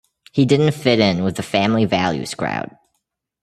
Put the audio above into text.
He didn't fit in with the family values crowd.